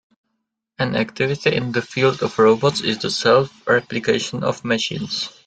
An activity in the field of robots is the self-replication of machines.